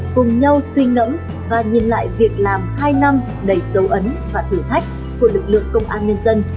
cùng nhau suy ngẫm và nhìn lại việc làm hai năm đầy dấu ấn và thử thách của lực lượng công an nhân dân